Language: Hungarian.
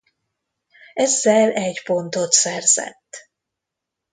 Ezzel egy pontot szerzett.